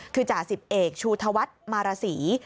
คือจ่าสิบเอกชูธวัฒน์มารสี